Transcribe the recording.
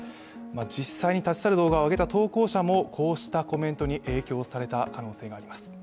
実際に立ち去る動画を上げた投稿者もこうしたコメントに影響された可能性もあります。